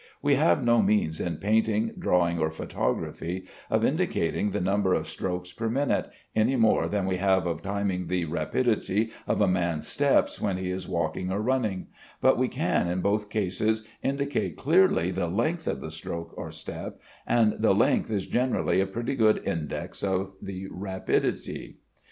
We have no means in painting, drawing, or photography, of indicating the number of strokes per minute, any more than we have of timing the rapidity of a man's steps when he is walking or running; but we can in both cases indicate clearly the length of the stroke or step, and the length is generally a pretty good index of the rapidity.